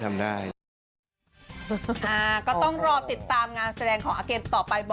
มันก็เลยดูไม่แก่แล้วแบบ